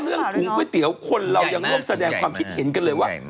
แค่เรื่องถุงก๋วยเตี๋ยวคนเรายังรับแสดงความคิดเห็นกันเลยว่า